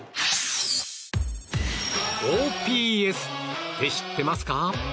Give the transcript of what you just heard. ＯＰＳって知ってますか？